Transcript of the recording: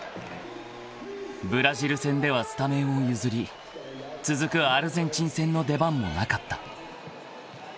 ［ブラジル戦ではスタメンを譲り続くアルゼンチン戦の出番もなかった］